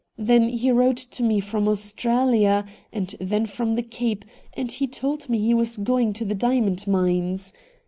Then he wrote to me from Australia, and then from the Cape, and he told me he FIDELIA LOCKE 155 was going to the diamond mines.